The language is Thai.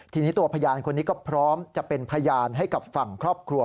ทีนี้ตัวพยานคนนี้ก็พร้อมจะเป็นพยานให้กับฝั่งครอบครัว